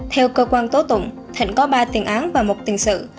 theo cơ quan tố tụng thịnh có ba tiền án và một tiền sự